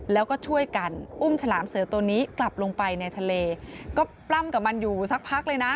แล้วก็ช่วยกันอุ้มฉลามเสือตัวนี้กลับลงไปในทะเลก็ปล้ำกับมันอยู่สักพักเลยนะ